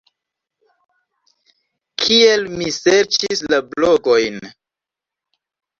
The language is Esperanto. Kiel mi serĉis la blogojn?